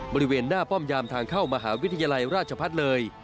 บริเวณหน้าป้อมยามทางเข้ามหาวิทยาลัยราชพัฒน์เลย